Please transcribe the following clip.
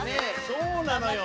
そうなのよ。